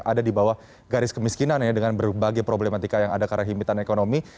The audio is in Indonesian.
terutama mungkin mereka yang ada di bawah garis kemiskinan dengan berbagai problematika yang ada karena himitan ekonomi